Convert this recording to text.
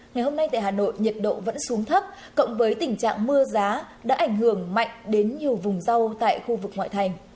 ngày hôm nay tại hà nội nhiệt độ vẫn xuống thấp cộng với tình trạng mưa giá đã ảnh hưởng mạnh đến nhiều vùng rau tại khu vực ngoại thành